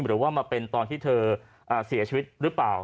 หรือว่ามาเป็นตอนที่เธอเสียชีวิตหรือเปล่า